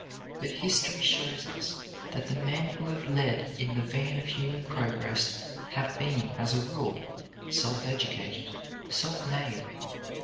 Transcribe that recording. But history shows us that the men who have led in the van of human progress have been, as a rule, self educated, self made.